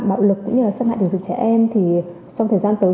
bạo lực cũng như là xâm hại tình dục trẻ em thì trong thời gian tới